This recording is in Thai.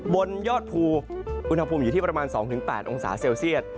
บนยอดภูอุณหภูมิอยู่ที่ประมาณ๒๘องศาเซลเซียต